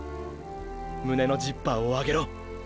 胸のジッパーを上げろ。